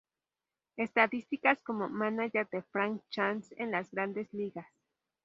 Estadísticas como mánager de Frank Chance en las Grandes Ligas.